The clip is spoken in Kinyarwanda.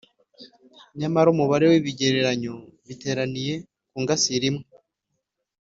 Nyamara umubare w'ibigereranyo biteraniye ku ngasire imwe